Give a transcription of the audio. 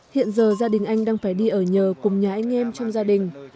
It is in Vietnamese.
hiện giờ gia đình anh đang phải đi ở nhờ cùng nhà anh em trong gia đình